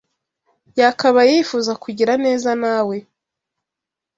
yakabaye yifuza kugira neza nawe